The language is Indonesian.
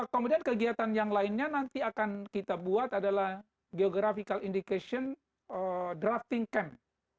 kemudian kegiatan yang lainnya nanti akan kita buat adalah geographical indication drafting camp